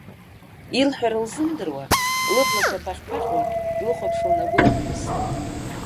Илҳәара лзымдыруа, лыблақәа ԥаҟьԥаҟьуа длыхәаԥшуан агәылаԥхәыс.